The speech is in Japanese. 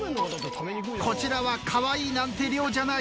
こちらはかわいいなんて量じゃない。